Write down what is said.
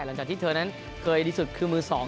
หลังจากที่เธอนั้นเคยดีสุดคือมือสอง